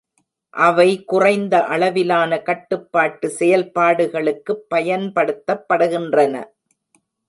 அவை குறைந்த அளவிலான கட்டுப்பாட்டு செயல்பாடுகளுக்குப் பயன்படுத்தப்படுகின்றன.